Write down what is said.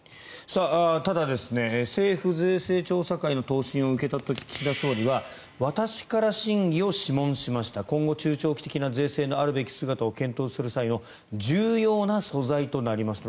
ただ政府税制調査会の答申を受け取った時岸田総理は私から審議を諮問しました今後中長期的な税制のあるべき姿を検討する際の重要な素材となりますと。